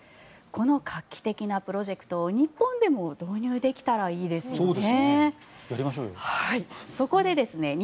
この画期的なプロジェクトを日本でも導入できたらいいですよね。